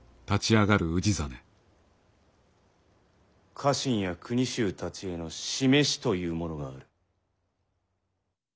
家臣や国衆たちへの示しというものがある。